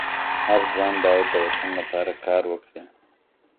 هر ځوان باید د خپل وطن لپاره کار وکړي.